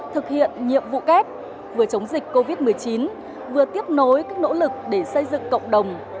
thực hiện nhiệm vụ kép vừa chống dịch covid một mươi chín vừa tiếp nối các nỗ lực để xây dựng cộng đồng